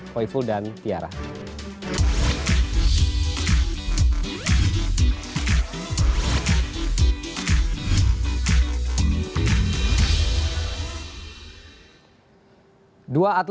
hoiful dan tiara